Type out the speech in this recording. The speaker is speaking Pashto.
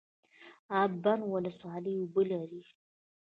اب بند ولسوالۍ اوبه لري؟